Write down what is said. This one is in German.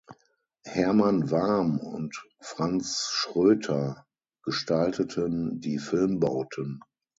Hermann Warm und Franz Schroedter gestalteten die Filmbauten.